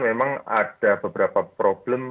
memang ada beberapa problem